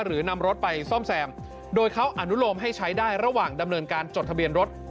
หรือนำรถไปซ่อมแซมโดยเขาอนุโลมให้ใช้ได้ระหว่างดำเนินการจดทะเบียนรถ